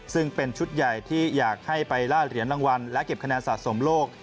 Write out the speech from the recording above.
ซึ่งเป็นชุดใหญ่ที่อยากให้ไปล่าเหรียญรางวัลและเก็บคะแนนสะสมโลก